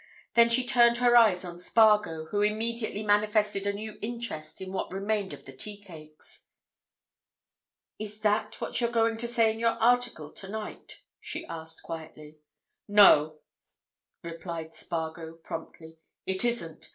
Then she turned her eyes on Spargo, who immediately manifested a new interest in what remained of the tea cakes. "Is that what you're going to say in your article tonight?" she asked, quietly. "No!" replied Spargo, promptly. "It isn't.